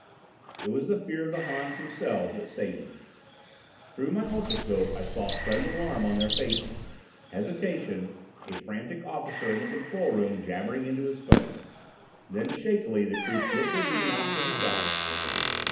It was the fear of the Hans themselves that saved me. Through my ultroscope I saw sudden alarm on their faces, hesitation, a frantic officer in the control room jabbering into his phone. Then shakily the crew flipped their beam off to the side.